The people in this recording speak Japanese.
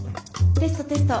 テストテスト。